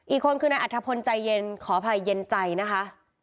อีกคนคือนายอัธพลใจเย็นขออภัยเย็นใจนะคะ